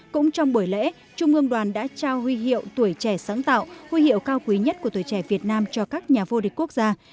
cũng trong buổi lễ trung ương đoàn đã trao huy hiệu tuổi trẻ sáng tạo huy hiệu cao quý nhất của tuổi trẻ việt nam cho các nhà vô địch quốc gia